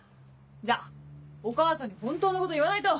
じゃあお母さんに本当のこと言わないと。